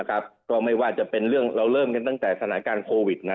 ก็ไม่ว่าจะเป็นเรื่องเราเริ่มกันตั้งแต่สถานการณ์โควิด